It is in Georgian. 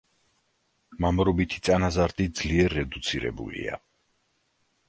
მამრობითი წინაზრდილი ძლიერ რედუცირებულია.